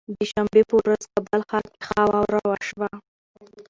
د شنبه به ورځ کابل ښار کې ښه واوره وشوه